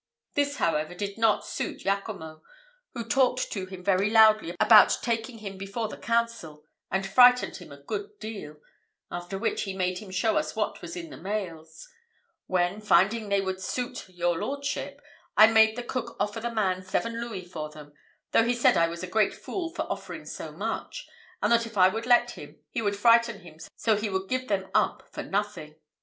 This, however, did not suit Jaccomo, who talked to him very loudly about taking him before the council, and frightened him a good deal, after which he made him show us what was in the mails; when, finding they would suit your lordship, I made the cook offer the man seven louis for them, though he said I was a great fool for offering so much; and that if I would let him, he would frighten him so he would give them up for nothing.